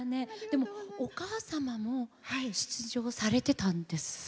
でも、お母様も出場されてたんですか？